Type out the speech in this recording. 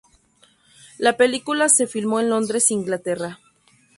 La película se filmó en Londres, Inglaterra.